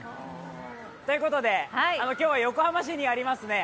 ということで、今日は横浜市にあります